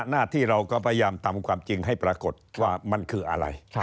หน้าที่เราก็พยายามทำความจริงให้ปรากฏว่ามันคืออะไร